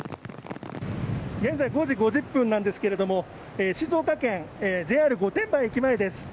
現在５時５０分なんですけれども静岡県、ＪＲ御殿場駅前です。